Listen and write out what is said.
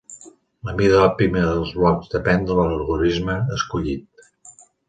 La mida òptima dels blocs depèn de l'algorisme escollit.